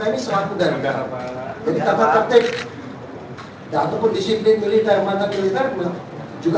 bahkan usai pengembang